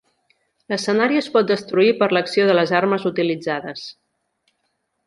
L'escenari es pot destruir per l'acció de les armes utilitzades.